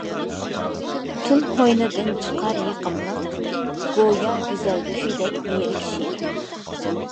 تۈن قوينىدىن چىقار يېقىملىق، گويا گۈزەل كۈيدەك لىرىك شېئىر.